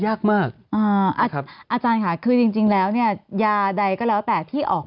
ยากมากอ่าอาจารย์ค่ะคือจริงจริงแล้วเนี่ยยาใดก็แล้วแต่ที่ออก